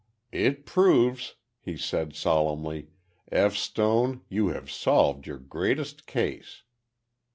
"It proves," he said, solemnly. "F. Stone, you have solved your greatest case!"